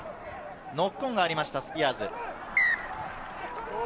ノックオンがありました、スピアーズ。